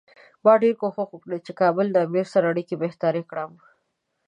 ما ډېر کوښښ وکړ چې له کابل امیر سره اړیکې بهترې کړم.